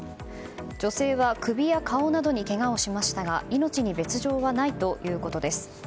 女性は首や顔などにけがをしましたが命に別条はないということです。